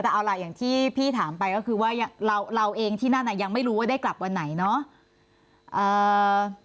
แต่เอาล่ะอย่างที่พี่ถามไปก็คือว่าเราเองที่นั่นยังไม่รู้ว่าได้กลับวันไหนเนาะ